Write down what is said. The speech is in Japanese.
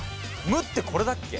「む」ってこれだっけ？